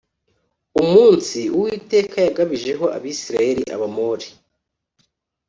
umunsi uwiteka yagabijeho abisirayeli abamori